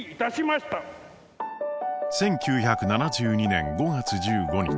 １９７２年５月１５日。